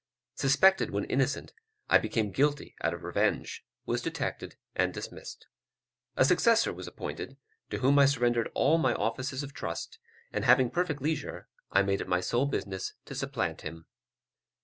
Suspected when innocent, I became guilty out of revenge; was detected and dismissed. A successor was appointed, to whom I surrendered all my offices of trust, and having perfect leisure, I made it my sole business to supplant him.